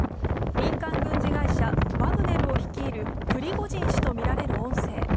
民間軍事会社ワグネルを率いるプリゴジン氏とみられる音声。